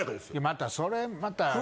またそれまた。